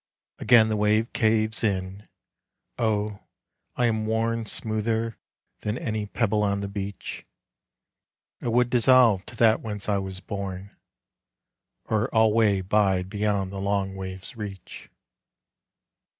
Again the wave caves in. O, I am worn Smoother than any pebble on the beach! I would dissolve to that whence I was born, Or alway bide beyond the long wave's reach.